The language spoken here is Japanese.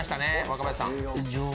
若林さん。